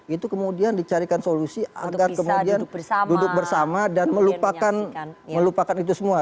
itu kemudian dicarikan solusi agar kemudian duduk bersama dan melupakan itu semua